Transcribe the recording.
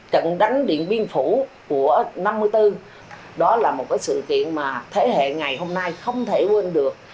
trận đánh điện biên phủ của năm một nghìn chín trăm năm mươi bốn đó là một sự kiện mà thế hệ ngày hôm nay không thể quên được